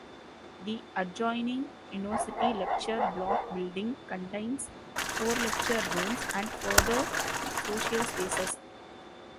The adjoining University Lecture Block building contains four Lecture rooms and further social spaces.